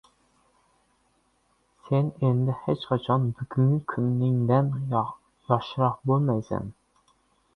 Sen endi hechqachon bugungi kuningdan yoshroq boʻlmaysan.